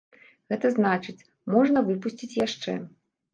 Гэта значыць, можна выпусціць яшчэ.